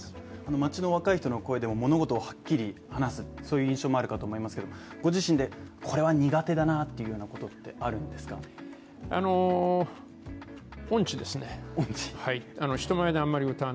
街の若い人の声でも物事をはっきり話すという印象があるかと思いますがご自身でこれは苦手だなというようなことってあるんですか？